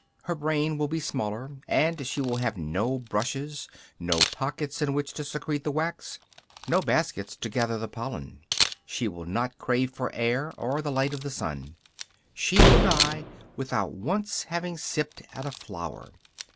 Her brain will be smaller, and she will have no brushes, no pockets in which to secrete the wax, no baskets to gather the pollen. She will not crave for air, or the light of the sun; she will die without once having sipped at a flower.